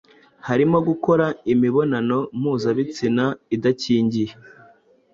harimo gukora imibonano mpuzabitsina idakingiye